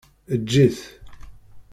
Eǧǧ-it!